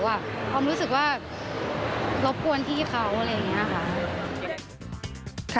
ความรู้สึกว่ารบกวนพี่เขาอะไรอย่างนี้ค่ะ